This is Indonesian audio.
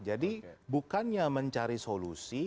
jadi bukannya mencari solusi